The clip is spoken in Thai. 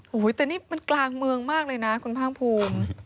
โอ้โหแต่นี่มันกลางเมืองมากเลยนะคุณภาคภูมิ